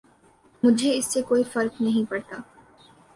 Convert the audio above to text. مجھے اس سے کوئی فرق نہیں پڑتا